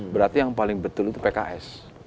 berarti yang paling betul itu pks